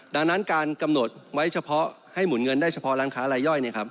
ดังนั้นการกำหนดไว้เฉพาะให้หมุนเงินได้เฉพาะร้านค้ารายย่อย